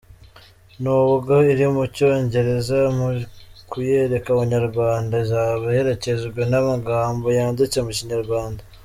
Nubwo iri mu Cyongereza, mu kuyereka Abanyarwanda izaba iherekejwe n’amagambo yanditse mu Kinyarwanda.